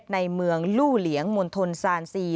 ในเมืองลู่เหลียงมณฑลซานซี